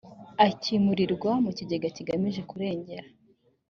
akimurirwa mu kigega kigamije kurengera